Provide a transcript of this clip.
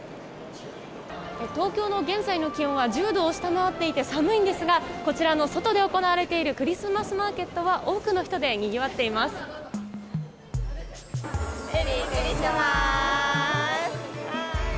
東京の現在の気温は１０度を下回っていて寒いんですがこちらの外で行われているクリスマスマーケットは多くの人でにぎわっています。